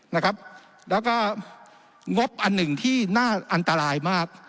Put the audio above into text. แล้วก็งบอันหนึ่งที่น่าอันตรายมาก